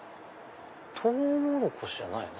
トウモロコシじゃないよね？